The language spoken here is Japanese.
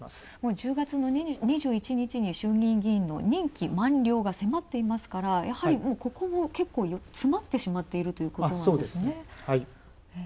１０月の２１日に衆議院議員の任期満了が迫っていますから、やはりここも結構、詰まってしまっているということなんですね。